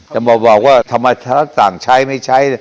จะบอกว่าธรรมนักส่างใช้ไม่ใช้